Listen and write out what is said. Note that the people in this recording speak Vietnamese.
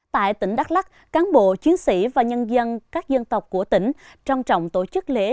tại tỉnh đắk lắc cán bộ chiến sĩ và nhân dân các dân tộc của tỉnh trọng trọng tổ chức lễ